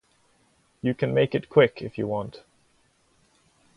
You can make it quick if you want.